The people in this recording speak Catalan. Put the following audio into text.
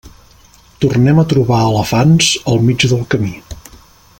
Tornem a trobar elefants al mig del camí.